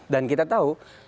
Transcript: dan kita tahu